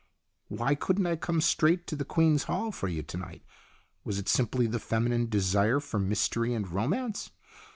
" Why couldn't I come straight to the Queen's Hall for you to night ? Was it simply the feminine desire for mystery and romance